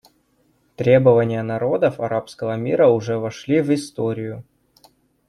Требования народов арабского мира уже вошли в историю.